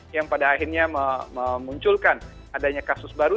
yang pada akhirnya memunculkan adanya kasus baru